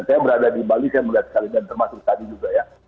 saya berada di bali saya melihat sekali dan termasuk tadi juga ya